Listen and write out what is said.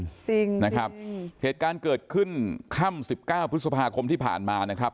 จริงจริงนะครับเหตุการณ์เกิดขึ้นค่ำสิบเก้าพฤษภาคมที่ผ่านมานะครับ